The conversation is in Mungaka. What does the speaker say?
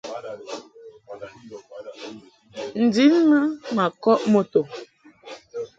N-din mɨ ma kɔʼ moto.